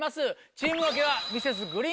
チーム分けは。